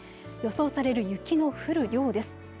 予想される雪の降る量です。